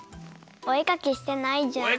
おえかきしてないじゃん。